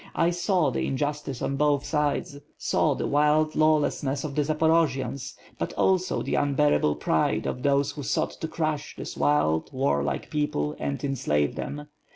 I saw the injustice on both sides; saw the wild law lessness of the Zaporojians, but also the unbearable pride of those who sought to crush this wild, warlike people and en slave them.